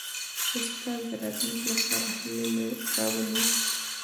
استاد د راتلونکي لپاره هیله راولي.